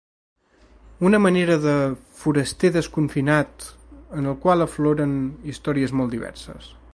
Una manera de ‘Foraster desconfinat’ en el qual afloren històries molt diverses.